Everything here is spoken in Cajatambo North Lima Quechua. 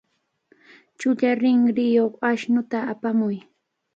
Chulla rinriyuq ashnuta apamuy.